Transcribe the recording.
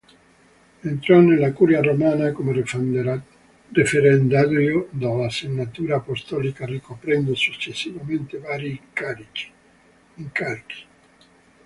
Entrò nella curia romana come referendario della Segnatura Apostolica ricoprendo successivamente vari incarichi.